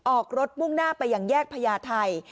ออกรถมุ่งหน้าไปยังแยกพญาไทย